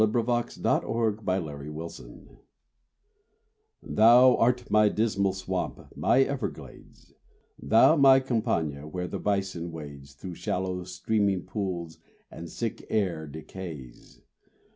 BEAVER POND MEADOW Thou art my Dismal Swamp, my Everglades: Thou my Campagna, where the bison wades Through shallow, steaming pools, and the sick air Decays.